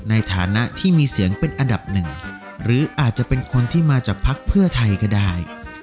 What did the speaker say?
ในฐานะที่มีเสียงเป็นอันดับหนึ่งหรืออาจจะเป็นคนที่มาจากภักดิ์เพื่อไทยก็ได้